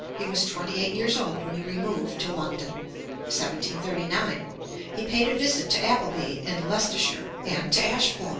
He was twenty eight years old when he removed to London. Ante, i. 110. 1739. He paid a visit to Appleby in Leicestershire and to Ashbourn.